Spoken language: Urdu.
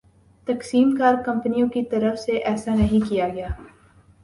تقسیم کار کمپنیوں کی طرف سے ایسا نہیں کیا گیا